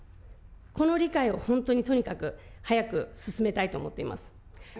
この理解を本当にとにかく、早く進めたいと思っています。